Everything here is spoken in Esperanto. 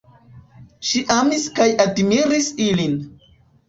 Ŝi amis kaj admiris ilin.